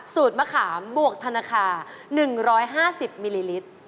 มะขามบวกธนาคาร๑๕๐มิลลิลิตร